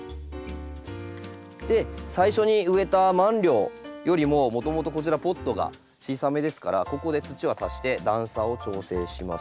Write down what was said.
で最初に植えたマンリョウよりももともとこちらポットが小さめですからここで土は足して段差を調整します。